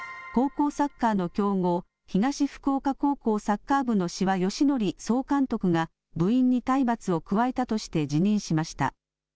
高校サッカーの強豪、東福岡高校サッカー部の志波芳則総監督が、部員に体罰を加えたとして辞任しました。